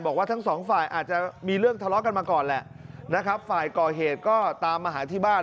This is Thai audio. บอกว่าทั้งสองฝ่ายอาจจะมีเรื่องทะเลาะกันมาก่อนแหละนะครับฝ่ายก่อเหตุก็ตามมาหาที่บ้าน